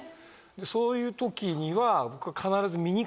そういう時には必ず。